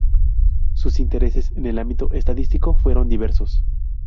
Sus intereses en el ámbito estadístico fueron diversos.